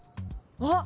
あっ！